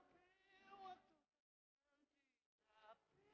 maaf ya pak